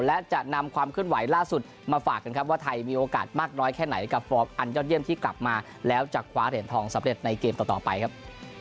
และจะนำความเคลื่อนไหวล่าสุดมาฝากกันครับว่าไทยมีโอกาสมากน้อยแค่ไหนกับฟอร์มอันยอดเยี่ยมที่กลับมาแล้วจะคว้าเหรียญทองสำเร็จในเกมต่อไปครับ